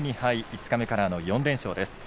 五日目から４連勝です。